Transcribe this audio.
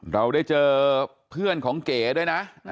เราได้เจอเพื่อนของเก๋ด้วยนะ